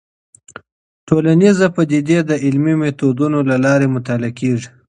ټولنيزې پديدې د علمي ميتودونو له لارې مطالعه کيږي.